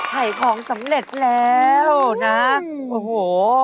ไข่ของสำเร็จแล้วนะโอ้โฮ